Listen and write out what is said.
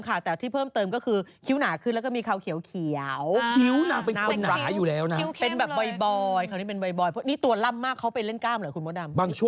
ครับมีหน้าใหญ่ด้วยนะเราก็เห็นเขาอายุตั้งแต่๑๕ใช่